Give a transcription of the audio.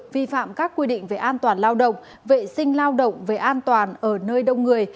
vi phạm các quy định về an toàn lao động vệ sinh lao động về an toàn ở nơi đông người